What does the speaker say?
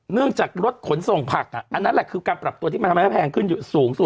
เนื่องจากรถขนส่งผักอันนั้นแหละคือการปรับตัวที่มันทำให้แพงขึ้นสูงสุด